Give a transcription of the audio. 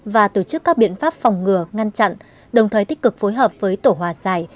và tổ chức các biện pháp phòng ngừa ngăn chặn đồng thời tích cực phối hợp với tổ hòa giải